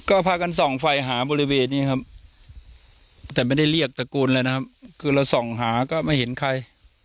ก็พากันส่องไฟหาบริเวณนี้ครับแต่ไม่ได้เรียกตระกูลเลยนะครับคือเราส่องหาก็ไม่เห็นใคร